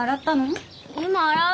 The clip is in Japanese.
今洗う。